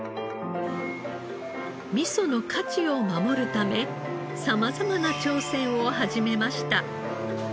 味噌の価値を守るため様々な挑戦を始めました。